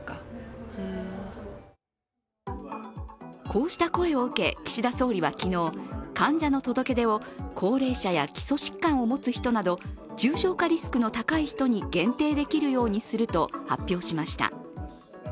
こうした声を受け岸田総理は昨日、患者の届け出を高齢者や基礎疾患を持つ人など重症化リスクの高い人に限定できるようにすると発表しました。